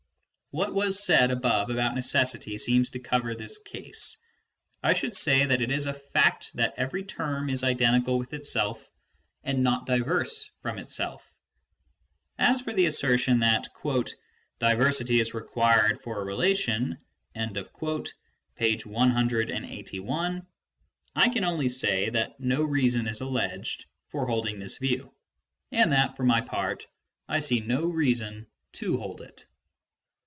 "What was said above about necessity seems to cover this case : I should say that it is a fact that every term is identical with itself and not diverse from itself. As for the assertion that " diversity is required for a relation " (p. 181), I can only say that no reason is alleged for holding this view, and that for my part I see no reason to hold it.